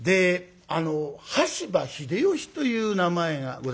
羽柴秀吉という名前がございましたね。